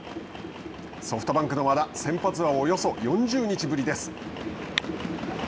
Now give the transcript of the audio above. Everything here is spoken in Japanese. ソフトバンクの和田先発はおよそ４０日ぶりです。